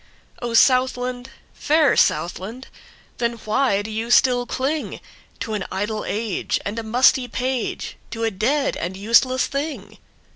O Southland, fair Southland! Then why do you still clingTo an idle age and a musty page, To a dead and useless thing?